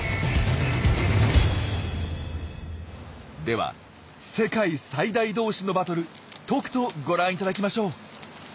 では世界最大同士のバトルとくとご覧いただきましょう！